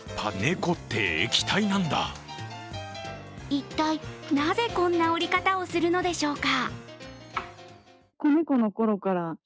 一体、なぜこんな降り方をするのでしょうか。